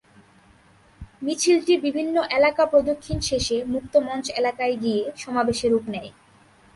মিছিলটি বিভিন্ন এলাকা প্রদক্ষিণ শেষে মুক্তমঞ্চ এলাকায় গিয়ে সমাবেশে রূপ নেয়।